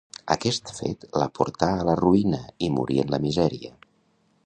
Aquest fet la portà a la ruïna i morí en la misèria.